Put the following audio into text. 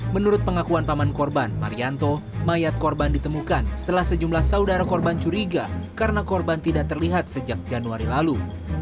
menurut pengakuan paman korban marianto mayat korban ditemukan setelah sejumlah saudara korban curiga karena korban tidak terlihat sejak januari lalu